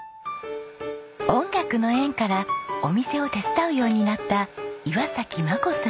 音楽の縁からお店を手伝うようになった岩崎真子さん。